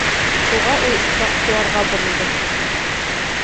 Шуға ул Шахсуарға боролдо.